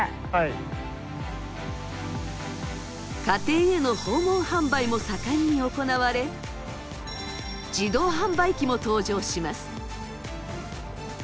家庭への訪問販売も盛んに行われ自動販売機も登場します。